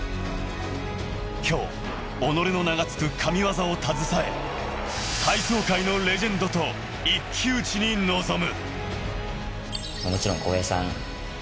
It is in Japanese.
今日、己の名がつく神業を携え、体操界のレジェンドと一騎打ちに臨む。